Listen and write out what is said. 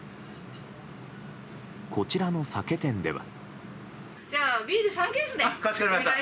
こちらの酒店では。